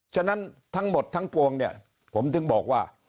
ฉะนั้นทั้งหมดทั้งปวงเนี่ยผมถึงบอกว่า